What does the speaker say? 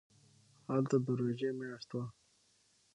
هلته د روژې میاشت وه.